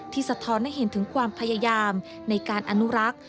สะท้อนให้เห็นถึงความพยายามในการอนุรักษ์